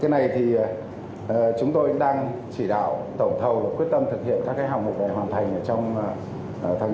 này thì chúng tôi đang chỉ đạo tổng thầu quyết tâm thực hiện các hạng mục để hoàn thành trong tháng bốn